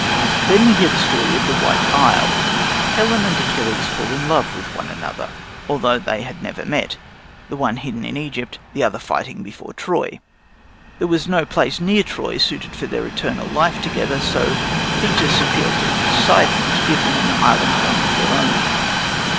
Then we hear the story of the White Isle. Helen and Achilles fell in love with one another, though they had never met the one hidden in Egypt, the other fighting before Troy. There was no place near Troy suited for their eternal life together, so Thetis appealed to Poseidon to give them an island home of their own.